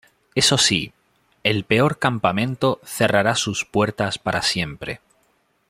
Eso sí, el peor campamento cerrará sus puertas para siempre.